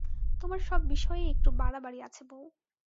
তোমার সব বিষয়েই একটু বাড়াবাড়ি আছে বৌ।